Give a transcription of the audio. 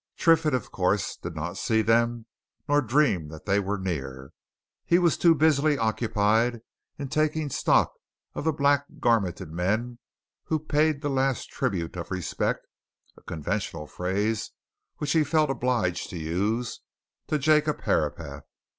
Triffitt, of course, did not see them, nor dream that they were near; he was too busily occupied in taking stock of the black garmented men who paid the last tribute of respect (a conventional phrase which he felt obliged to use) to Jacob Herapath.